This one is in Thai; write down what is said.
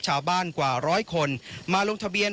กว่าร้อยคนมาลงทะเบียน